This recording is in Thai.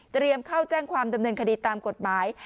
เข้าแจ้งความดำเนินคดีตามกฎหมาย